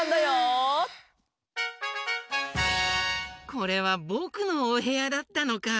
これはぼくのおへやだったのか。